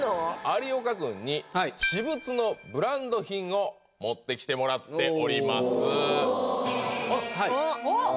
有岡君に私物のブランド品を持ってきてもらっておりますあらおっ！